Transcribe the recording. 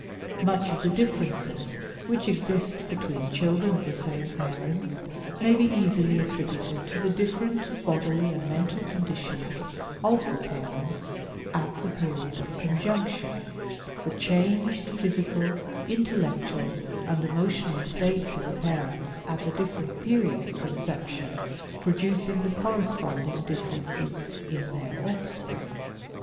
"Much of the differences which exist between children of the same parents may be easily attributed to the different bodily and mental conditions of the parents at the period of conjunction, the changed physical, intellectual and emotional states of the parents at the different periods of conception producing the corresponding differences in their offspring.